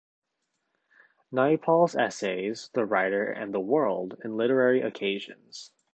Naipaul's essays, "The Writer and the World" and "Literary Occasions".